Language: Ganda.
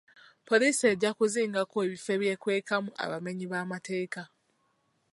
Poliisi ejja kuzingako ebifo ebyekwekamu abamenyi b'amateeka.